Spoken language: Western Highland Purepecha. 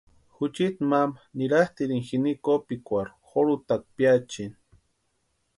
Juchiti mama niratʼirini jini kopikwarhu jorhutakwa piachiani.